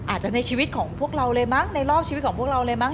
อาจจะในชีวิตของพวกเราเลยมั้งในรอบชีวิตของพวกเราเลยมั้